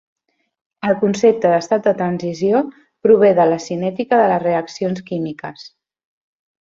El concepte d'estat de transició prové de la cinètica de les reaccions químiques.